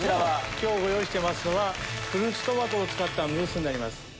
今日ご用意してますのはフルーツトマトを使ったムースになります。